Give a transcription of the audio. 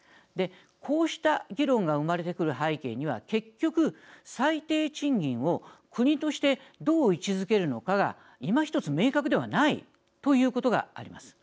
こうした議論が生まれてくる背景には結局、最低賃金を国としてどう位置づけるのかが今ひとつ明確ではないということがあります。